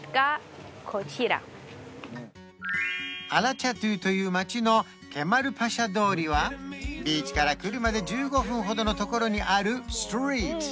アラチャトゥという街のケマルパシャ通りはビーチから車で１５分ほどのところにあるストリート